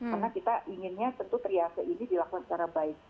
karena kita inginnya tentu triasel ini dilakukan secara baik